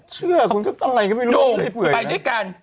เชื่อคุณเจ้าตาลัยก็ไม่รู้ว่าไม่ได้เผื่ออย่างนั้น